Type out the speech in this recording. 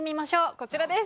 こちらです。